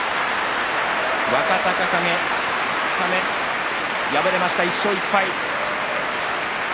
若隆景、二日目敗れました、１勝１敗。